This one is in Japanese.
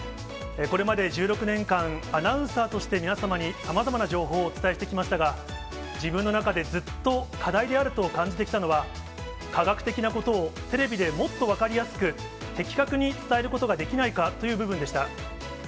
これまで１６年間、アナウンサーとして、皆様にさまざまな情報をお伝えしてきましたが、自分の中でずっと課題であると感じてきたのは、科学的なことをテレビでもっと分かりやすく的確に伝えることができないかという部分でした。